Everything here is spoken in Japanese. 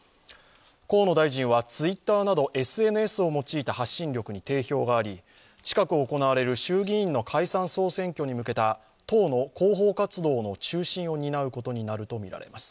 河野大臣はＴｗｉｔｔｅｒなどＳＮＳを用いた発信力に定評があり、近く行われる衆議院の解散総選挙に向けた党の広報活動の中心を担うことになるとみられます。